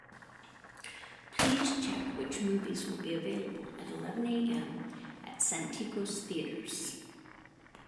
Please check which movies will be available at eleven A.M. at Santikos Theatres?